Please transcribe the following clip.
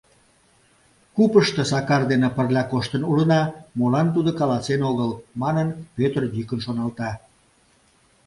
— Купышто Сакар дене пырля коштын улына, молан тудо каласен огыл? — манын, Пӧтыр йӱкын шоналта.